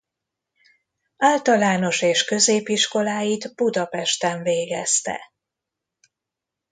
Általános és középiskoláit Budapesten végezte.